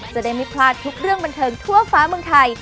จะได้ไม่พลาดทุกเรื่องบันเทิงทั่วฟ้าเมืองไทย